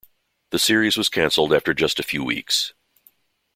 The series was cancelled after just a few weeks.